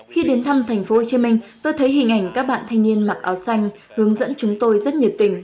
khi đến thăm tp hcm tôi thấy hình ảnh các bạn thanh niên mặc áo xanh hướng dẫn chúng tôi rất nhiệt tình